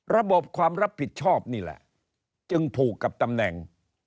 ระบบความรับผิดชอบนี่แหละจึงผูกกับตำแหน่ง